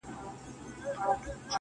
ما خوب كړى جانانه د ښكلا پر ځـنــگانــه